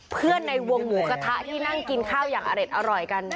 ในวงหมูกระทะที่นั่งกินข้าวอย่างอร่อยกัน